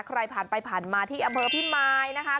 ใครผ่านไปผ่านมาที่อำเภอพิมายนะคะ